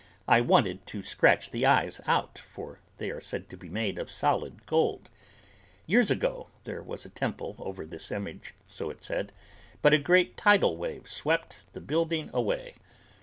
I wanted to scratch the eyes out, for they are said to be made of solid gold. Years ago there was a temple over this image, so it is said, but a great tidal wave swept the building away.